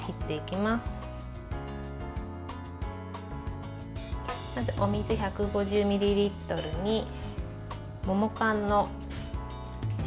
まず、お水１５０ミリリットルに桃缶のシロップですね。